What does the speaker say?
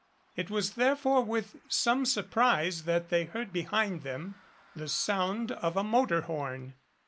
It was therefore with some surprise that they heard be hind them the sound of a motor horn.